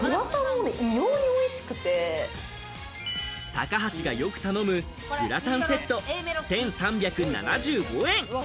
高橋がよく頼むグラタンセット、１３７５円。